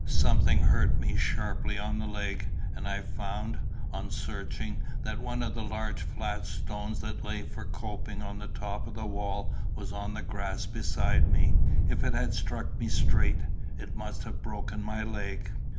Something hurt me sharply on the leg; and I found, on searching, that one of the large flat stones that lay for coping on the top of the wall was on the grass beside me. If it had struck me straight, it must have broken my leg.